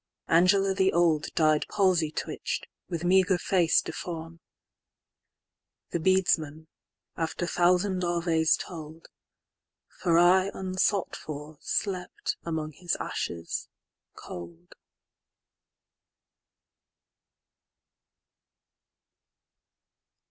Angela the oldDied palsy twitch'd, with meagre face deform; The Beadsman, after thousand aves told, For aye unsought for slept among his ashes cold.